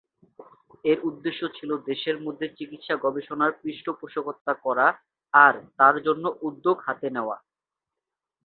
এর উদ্দেশ্য ছিল দেশের মধ্যে চিকিৎসা-গবেষণার পৃষ্ঠপোষকতা করা আর তার জন্য উদ্যোগ হাতে নেওয়া।